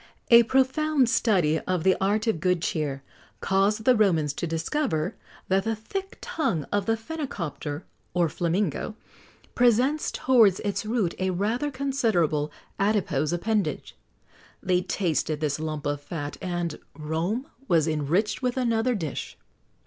A profound study of the art of good cheer caused the Romans to discover that the thick tongue of the phenicopter, or flamingo, presents towards its root a rather considerable adipose appendage. They tasted this lump of fat, and Rome was enriched with another dish.